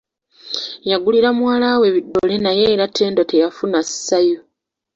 Yagulira muwala we biddole naye era Ttendo teyafuna ssayu.